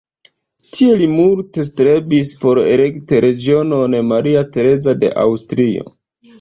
Tie li multe strebis por elekti reĝinon Maria Tereza de Aŭstrio.